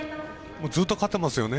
ずっと勝ってますよね